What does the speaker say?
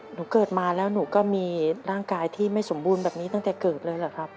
หนูเกิดมาแล้วหนูก็มีร่างกายที่ไม่สมบูรณ์แบบนี้ตั้งแต่เกิดเลยเหรอครับ